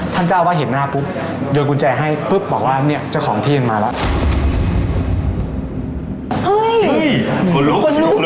เจ้าอาวาสเห็นหน้าปุ๊บโยนกุญแจให้ปุ๊บบอกว่าเนี่ยเจ้าของที่มันมาแล้ว